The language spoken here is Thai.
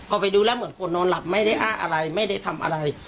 พอไปดูแล้วเหมือนคนนอนหลับไม่ได้อ้าอะไรไม่ได้ทำอะไร